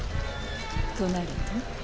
となると。